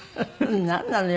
なんなのよ